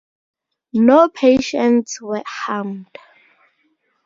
No patients were harmed.